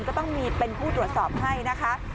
ก็ต้องมีเป็นผู้ตรวจสอบให้นะคะ